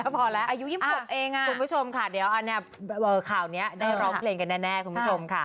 พอแล้วพอแล้วคุณผู้ชมค่ะเดี๋ยวข่าวนี้ได้ร้องเพลงกันแน่คุณผู้ชมค่ะ